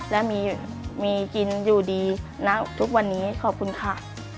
และมีกินอยู่ดีณทุกวันนี้ขอบคุณค่ะ